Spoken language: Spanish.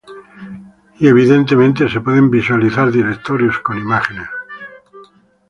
Y, evidentemente, se pueden visualizar directorios con imágenes.